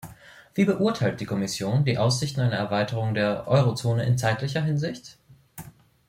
Wie beurteilt die Kommission die Aussichten einer Erweiterung der Eurozone in zeitlicher Hinsicht?